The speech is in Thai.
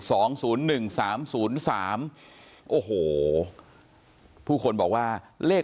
สองศูนย์หนึ่งสามศูนย์สามโอ้โหผู้คนบอกว่าเลข